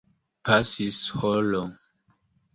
Pasis horo.